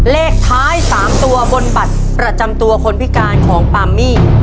เลขท้าย๓ตัวบนบัตรประจำตัวคนพิการของปามมี่